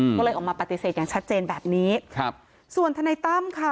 ก็เลยออกมาปฏิเสธอย่างชัดเจนแบบนี้ครับส่วนทนายตั้มค่ะ